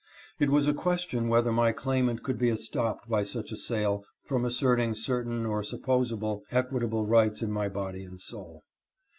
It was a question whether my claimant could be estopped by such a sale from asserting certain or supposable equitable rights in my body and soul.